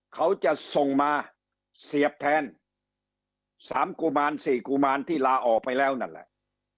เขาจะส่งมาเสียบแทน๓กุมาร๔กุมารที่ลาออกไปแล้วนั่นแหละ